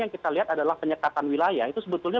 yang kita lihat adalah penyekatan wilayah itu sebetulnya